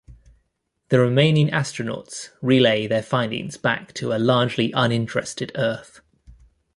The remaining astronauts relay their findings back to a largely uninterested Earth.